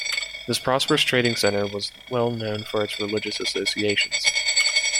This prosperous trading centre was well known for its religious associations.